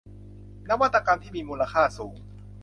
นวัตกรรมที่มีมูลค่าสูง